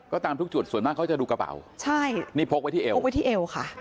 ก็ตามทุกจุดส่วนมากเขาจะดูกระเป๋านี่พกไว้ที่เอวค่ะ